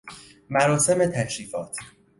مراسم تشریفات